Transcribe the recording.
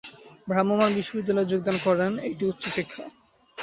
ভ্রাম্যমাণ বিশ্ববিদ্যালয়ে যোগদান করেন, এটি উচ্চশিক্ষা